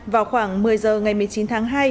vào khoảng một mươi giờ ngày một mươi chín tháng hai